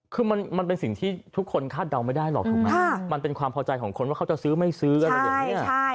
คือมันเป็นสิ่งที่ทุกคนคาดเดาไม่ได้หรอกถูกไหมมันเป็นความพอใจของคนว่าเขาจะซื้อไม่ซื้ออะไรอย่างนี้